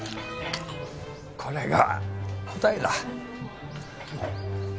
これが答えだ。